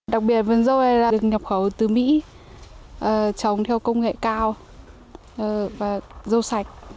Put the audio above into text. đặc biệt vườn dâu là được nhập khẩu từ mỹ trồng theo công nghệ cao và dâu sạch